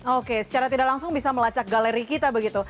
oke secara tidak langsung bisa melacak galeri kita begitu